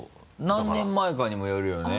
何年前かにもよるよね。